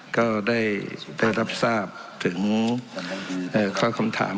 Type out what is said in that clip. ก็ได้รับทราบถึงข้อคำถาม